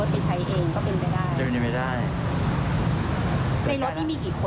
มีผู้ชายคนเดียว